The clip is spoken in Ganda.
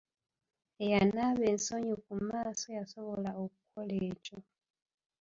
Eyanaaba ensonyi ku maaso y'asobola okukola ekyo.